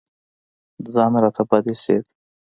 ځان راته بد اېسېد.